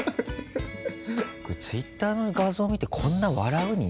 ツイッターの画像見てこんな笑う？